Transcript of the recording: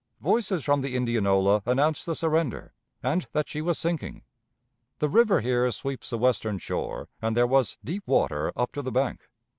Voices from the Indianola announced the surrender, and that she was sinking. The river here sweeps the western shore, and there was deep water up to the bank.